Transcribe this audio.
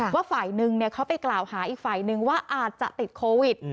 ว่าฝ่ายหนึ่งเขาไปกล่าวหาอีกฝ่ายนึงว่าอาจจะติดโควิด